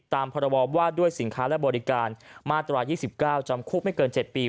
พรบว่าด้วยสินค้าและบริการมาตรา๒๙จำคุกไม่เกิน๗ปี